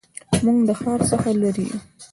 موږ د ښار څخه لرې یو